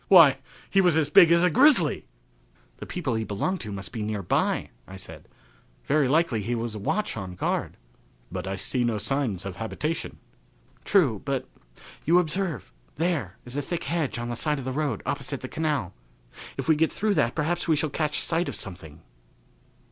"Why, he was as big as a grizzly." "The people he belonged to must be near by," I said. "Very likely he was a watch on guard." "But I see no signs of a habitation." "True, but you observe there is a thick hedge on the side of the road opposite the canal. If we get through that perhaps we shall catch sight of something."